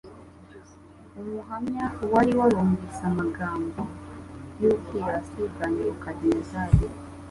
umuhamya wari warumvise amagambo y'ubwirasi bwa Nebukadinezari,